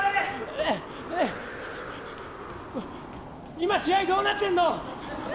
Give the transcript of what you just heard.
今試合どうなってんの？